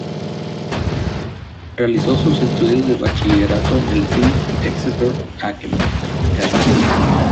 Realizó sus estudios de bachillerato en el "Phillips Exeter Academy".